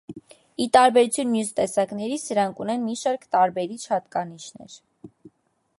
Ի տարբերություն մյուս տեսակների, սրանք ունեն մի շարք տարբերիչ հատկանիշներ։